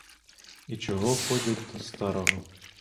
І чого ходять до старого?